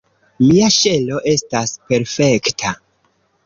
Mia ŝelo estas perfekta.